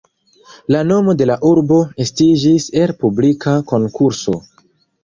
La nomo de la urbo estiĝis el publika konkurso.